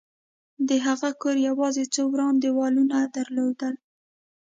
د هغه کور یوازې څو وران دېوالونه درلودل